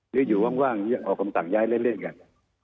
หรืออยู่ว่างออกคำสั่งย้ายเล่นกัน